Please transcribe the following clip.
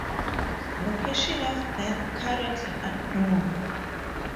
Location of death currently unknown.